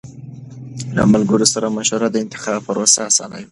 له ملګرو سره مشوره د انتخاب پروسه آسانوي.